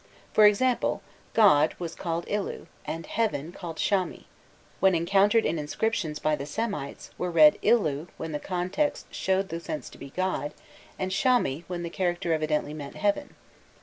For example, "god" was called ilu, and "heaven" called shami: [symbol], when encountered in inscriptions by the Semites, were read [symbol] when the context showed the sense to be "god," and shami when the character evidently meant "heaven."